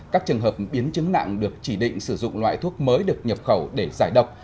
các trường hợp biến chứng nặng được chỉ định sử dụng loại thuốc mới được nhập khẩu để giải độc